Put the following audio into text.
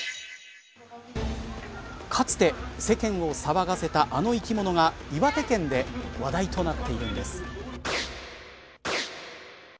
かつて世間を騒がせたあの生き物が岩手県で話題となっているんです。